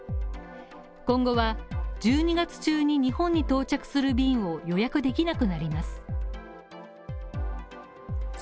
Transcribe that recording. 今後は１２月中に日本に到着する便を予約できなくなります。